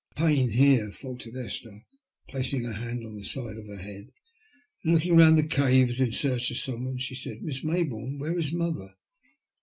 " A pain here," faltered Esther, placing her hand on the side of her head. Then looking round the cave as if in search of someone, she said, ''Miss May bourne, where is mother